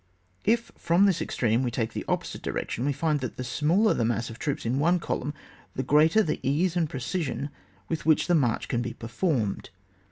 If from this extreme we take the opposite direction, we find that the smaller the mass of troops in one column the greater the ease and precision with which the march can be performed.